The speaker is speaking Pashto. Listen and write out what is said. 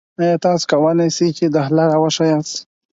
ایا تاسو کولی شئ ما ته د کروندګرو یو محلي بازار ومومئ؟